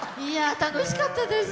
楽しかったです。